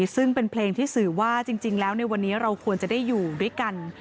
ซึ่งเป็นเพลงที่สื่อว่าจริงแล้วในวันนี้เราควรจะได้อยู่ด้วยกัน